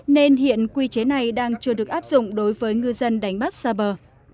nên hiện quy chế này đang chưa được áp dụng đối với ngư dân đánh bắt xa bờ